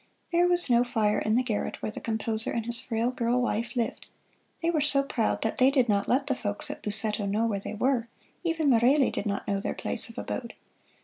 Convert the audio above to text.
There was no fire in the garret where the composer and his frail girl wife lived. They were so proud that they did not let the folks at Busseto know where they were: even Merelli did not know their place of abode.